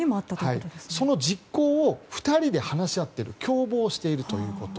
その実行を２人で話し合っている共謀しているということ。